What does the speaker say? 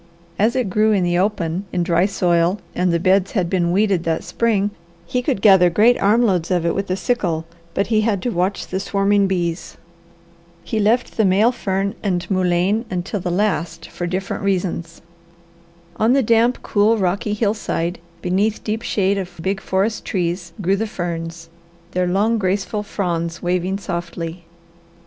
As it grew in the open in dry soil and the beds had been weeded that spring, he could gather great arm loads of it with a sickle, but he had to watch the swarming bees. He left the male fern and mullein until the last for different reasons. On the damp, cool, rocky hillside, beneath deep shade of big forest trees, grew the ferns, their long, graceful fronds waving softly.